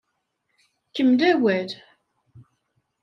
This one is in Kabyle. Kemmel awal